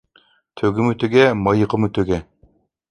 تۆگىمۇ تۆگە، مايىقىمۇ تۆگە.